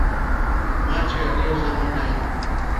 Macho yaliyozama ndani